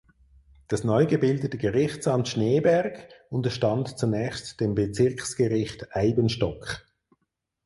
Das neu gebildete Gerichtsamt Schneeberg unterstand zunächst dem Bezirksgericht Eibenstock.